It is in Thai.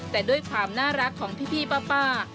แต่ด้วยความน่ารักของพี่ป้า